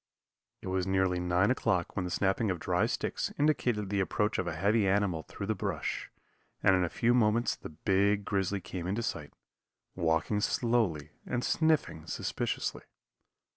It was nearly 9 o'clock when the snapping of dry sticks indicated the approach of a heavy animal through the brush, and in a few moments the big grizzly came into sight, walking slowly and sniffing suspiciously.